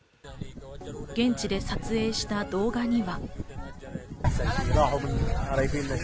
現地で撮影した動画には。